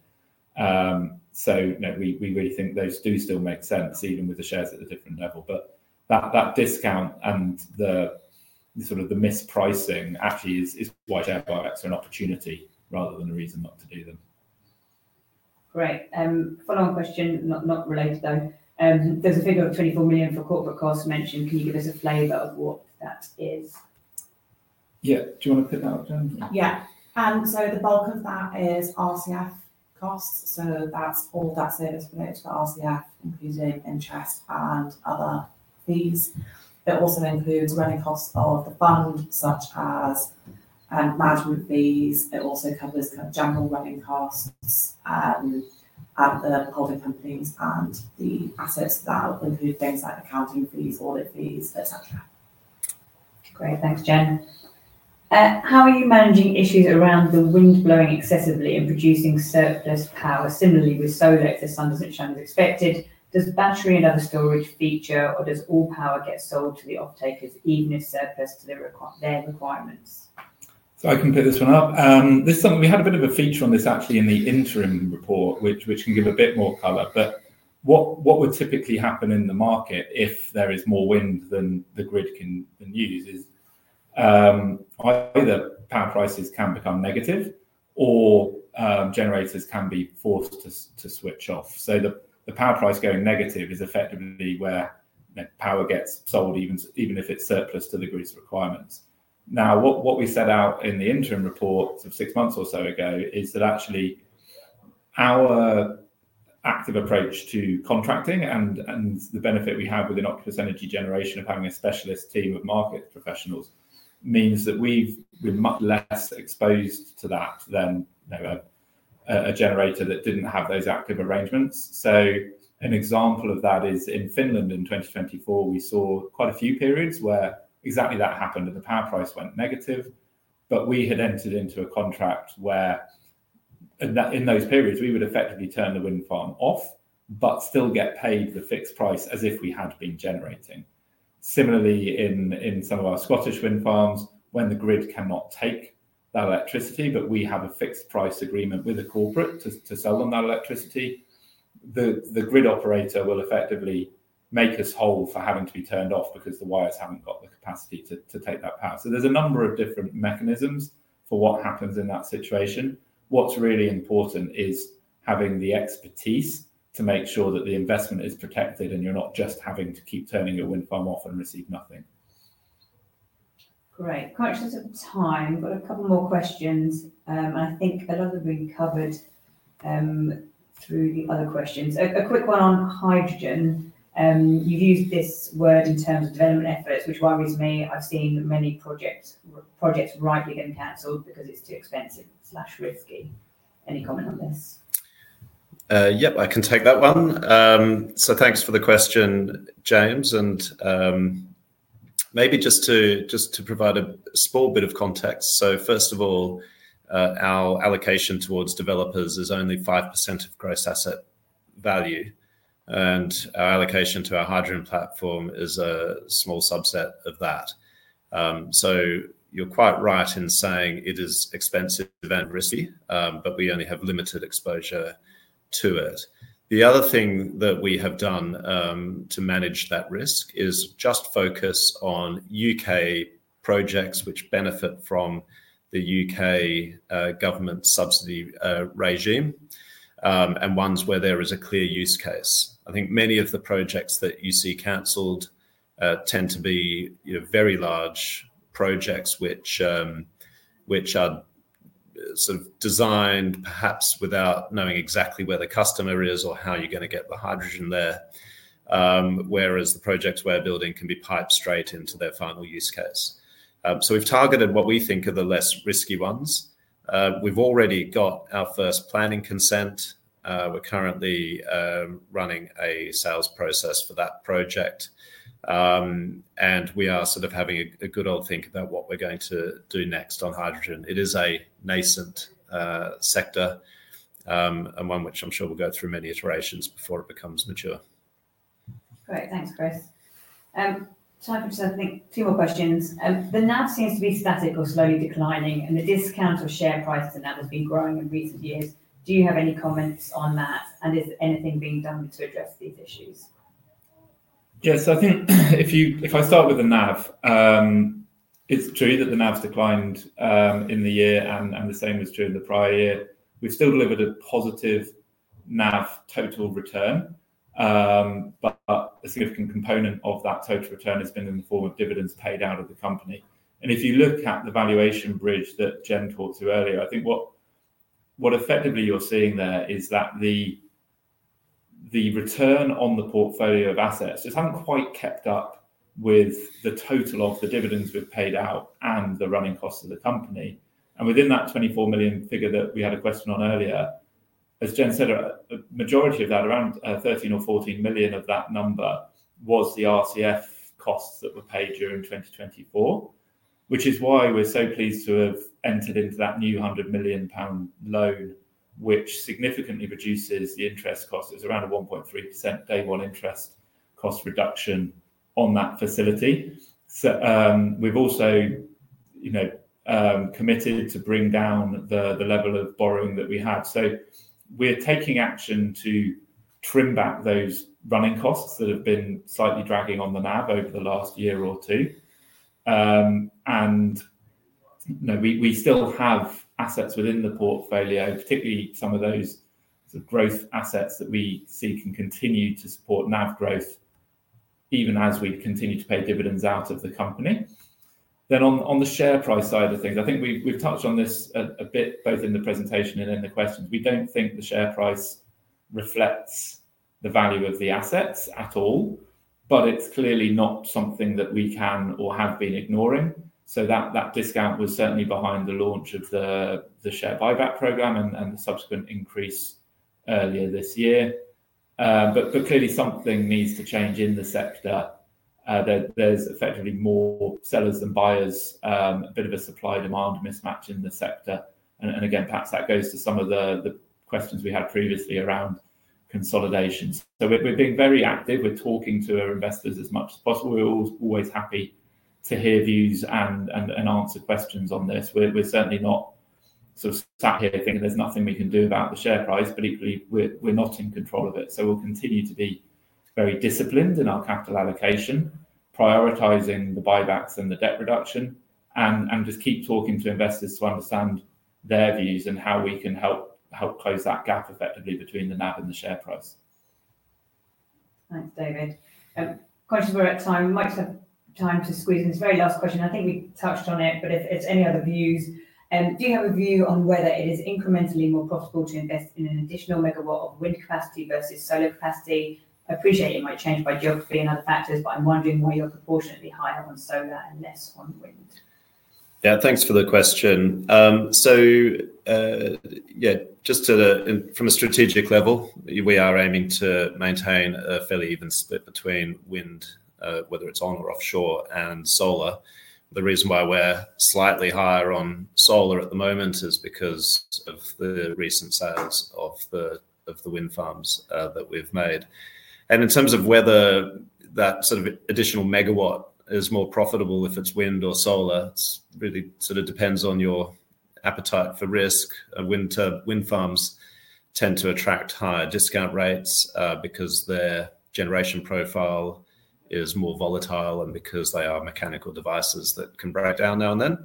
We really think those do still make sense even with the shares at a different level. That discount and the sort of mispricing actually is why share buybacks are an opportunity rather than a reason not to do them. Great. Following question, not related though. There's a figure of 24 million for corporate costs mentioned. Can you give us a flavor of what that is? Yeah. Do you want to pick that up, Gen? Yeah. The bulk of that is RCF costs. That's all that's there as related to the RCF, including interest and other fees. It also includes running costs of the fund, such as management fees. It also covers kind of general running costs at the holding companies and the assets that include things like accounting fees, audit fees, etc. Great. Thanks, Gen. How are you managing issues around the wind blowing excessively and producing surplus power? Similarly, with solar, if the sun does not shine as expected, does battery and other storage feature or does all power get sold to the off-takers even if surplus to their requirements? I can pick this one up. This is something we had a bit of a feature on actually in the interim report, which can give a bit more color. What would typically happen in the market if there is more wind than the grid can use is either power prices can become negative or generators can be forced to switch off. The power price going negative is effectively where power gets sold even if it is surplus to the grid's requirements. What we set out in the interim report of six months or so ago is that actually our active approach to contracting and the benefit we have within Octopus Energy Generation of having a specialist team of market professionals means that we are much less exposed to that than a generator that did not have those active arrangements. An example of that is in Finland in 2024, we saw quite a few periods where exactly that happened and the power price went negative. We had entered into a contract where in those periods we would effectively turn the wind farm off, but still get paid the fixed price as if we had been generating. Similarly, in some of our Scottish wind farms, when the grid cannot take that electricity, but we have a fixed price agreement with a corporate to sell them that electricity, the grid operator will effectively make us whole for having to be turned off because the wires have not got the capacity to take that power. There are a number of different mechanisms for what happens in that situation. What is really important is having the expertise to make sure that the investment is protected and you are not just having to keep turning your wind farm off and receive nothing. Great. Conscious of time, we have a couple more questions. I think a lot of them have been covered through the other questions. A quick one on hydrogen. You have used this word in terms of development efforts, which worries me. I have seen many projects rightly get cancelled because it is too expensive/risky. Any comment on this? Yep, I can take that one. Thanks for the question, James. Maybe just to provide a small bit of context. First of all, our allocation towards developers is only 5% of gross asset value. Our allocation to our hydrogen platform is a small subset of that. You're quite right in saying it is expensive and risky, but we only have limited exposure to it. The other thing that we have done to manage that risk is just focus on U.K. projects which benefit from the U.K. government subsidy regime and ones where there is a clear use case. I think many of the projects that you see cancelled tend to be very large projects which are sort of designed perhaps without knowing exactly where the customer is or how you're going to get the hydrogen there, whereas the projects where building can be piped straight into their final use case. So we've targeted what we think are the less risky ones. We've already got our first planning consent. We're currently running a sales process for that project. We are sort of having a good old think about what we're going to do next on hydrogen. It is a nascent sector and one which I'm sure will go through many iterations before it becomes mature. Great. Thanks, Chris. Time for just, I think, two more questions. The NAV seems to be static or slowly declining, and the discount of share price to NAV has been growing in recent years. Do you have any comments on that? Is anything being done to address these issues? Yes. I think if I start with the NAV, it's true that the NAV's declined in the year, and the same was true in the prior year. We've still delivered a positive NAV total return, but a significant component of that total return has been in the form of dividends paid out of the company. If you look at the valuation bridge that Gen talked to earlier, I think what effectively you're seeing there is that the return on the portfolio of assets just hasn't quite kept up with the total of the dividends we've paid out and the running costs of the company. Within that 24 million figure that we had a question on earlier, as Gen said, a majority of that, around 13 million or 14 million of that number, was the RCF costs that were paid during 2024, which is why we are so pleased to have entered into that new 100 million pound loan, which significantly reduces the interest cost. It is around a 1.3% day-one interest cost reduction on that facility. We have also committed to bring down the level of borrowing that we have. We are taking action to trim back those running costs that have been slightly dragging on the NAV over the last year or two. We still have assets within the portfolio, particularly some of those growth assets that we see can continue to support NAV growth even as we continue to pay dividends out of the company. On the share price side of things, I think we've touched on this a bit both in the presentation and in the questions. We don't think the share price reflects the value of the assets at all, but it's clearly not something that we can or have been ignoring. That discount was certainly behind the launch of the share buyback program and the subsequent increase earlier this year. Clearly, something needs to change in the sector. There's effectively more sellers than buyers, a bit of a supply-demand mismatch in the sector. Perhaps that goes to some of the questions we had previously around consolidation. We've been very active. We're talking to our investors as much as possible. We're always happy to hear views and answer questions on this. We're certainly not sort of sat here thinking there's nothing we can do about the share price, but equally, we're not in control of it. We will continue to be very disciplined in our capital allocation, prioritizing the buybacks and the debt reduction, and just keep talking to investors to understand their views and how we can help close that gap effectively between the NAV and the share price. Thanks, David. Conscious of our time, we might have time to squeeze in this very last question. I think we touched on it, but if it's any other views, do you have a view on whether it is incrementally more profitable to invest in an additional Megawatt of wind capacity versus solar capacity? I appreciate it might change by geography and other factors, but I'm wondering why you're proportionately higher on solar and less on wind. Yeah, thanks for the question. Just from a strategic level, we are aiming to maintain a fairly even split between wind, whether it's on or offshore, and solar. The reason why we're slightly higher on solar at the moment is because of the recent sales of the wind farms that we've made. In terms of whether that sort of additional Megawatt is more profitable if it's wind or solar, it really sort of depends on your appetite for risk. Wind farms tend to attract higher discount rates because their generation profile is more volatile and because they are mechanical devices that can break down now and then,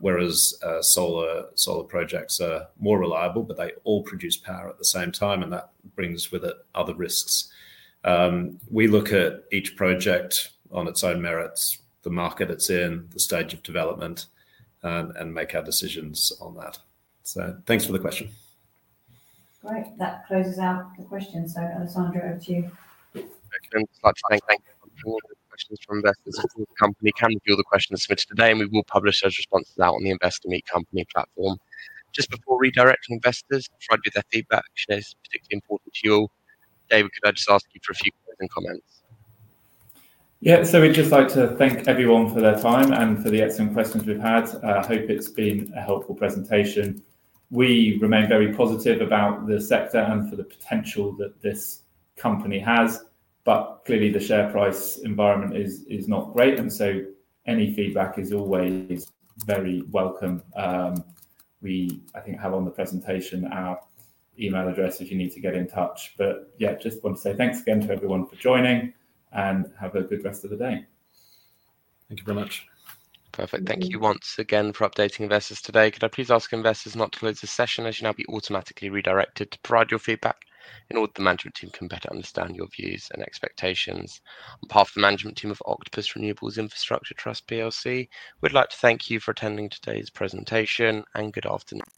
whereas solar projects are more reliable, but they all produce power at the same time, and that brings with it other risks. We look at each project on its own merits, the market it's in, the stage of development, and make our decisions on that. Thanks for the question. Great. That closes out the questions. Alessandro, over to you. Thanks. Thanks for the questions from investors. The company can review the questions submitted today, and we will publish those responses out on the Investor Meet Company platform. Just before redirecting investors, before I do their feedback, I am sure it is particularly important to you all. David, could I just ask you for a few questions and comments? Yeah. We would just like to thank everyone for their time and for the excellent questions we have had. I hope it has been a helpful presentation. We remain very positive about the sector and for the potential that this company has. Clearly, the share price environment is not great. Any feedback is always very welcome. We, I think, have on the presentation our email address if you need to get in touch. Yeah, just want to say thanks again to everyone for joining and have a good rest of the day. Thank you very much. Perfect. Thank you once again for updating investors today. Could I please ask investors not to close the session as you will now be automatically redirected to provide your feedback in order that the management team can better understand your views and expectations? On behalf of the management team of Octopus Renewables Infrastructure Trust, we'd like to thank you for attending today's presentation and good afternoon.